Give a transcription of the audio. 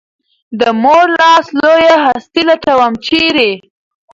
د مور لاس لویه هستي لټوم ، چېرې؟